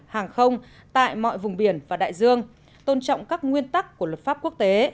hàng không tại mọi vùng biển và đại dương tôn trọng các nguyên tắc của luật pháp quốc tế